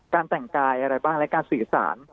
แต่งกายอะไรบ้างและการสื่อสาร